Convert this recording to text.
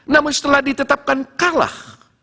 namun setelah ditetapkan kalah